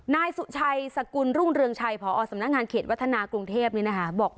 นายสุชัยสกุลรุ่งเรืองชัยพอสำนักงานเขตวัฒนากรุงเทพบอก